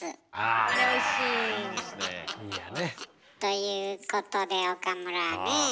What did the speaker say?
あ！ということで岡村ねえ？